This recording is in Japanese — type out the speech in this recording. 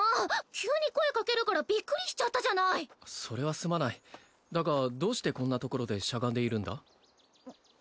急に声かけるからびっくりしちゃったじゃないそれはすまないだがどうしてこんなところでしゃがんでいるんだ？